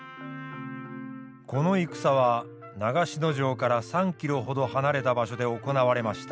この戦は長篠城から３キロほど離れた場所で行われました。